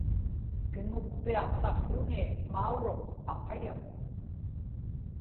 kiŋuppiaqsaqłuni mauruq aqayamun